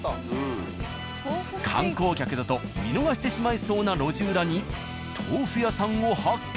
観光客だと見逃してしまいそうな路地裏に豆腐屋さんを発見。